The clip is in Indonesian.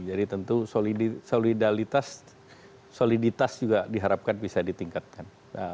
jadi tentu soliditas juga diharapkan bisa ditingkatkan